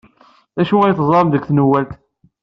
D acu ay teẓramt deg tanwalt?